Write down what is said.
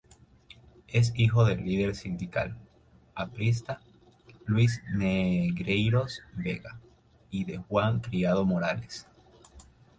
Es hijo del líder sindical aprista, Luis Negreiros Vega, y de Juana Criado Morales.